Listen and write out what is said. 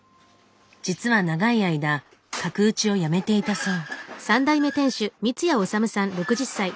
実は長い間角打ちをやめていたそう。